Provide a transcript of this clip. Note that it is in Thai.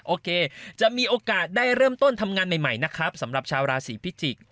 โอเคจะมีโอกาสได้เริ่มต้นทำงานใหม่นะครับสำหรับชาวราศีพิจิกษ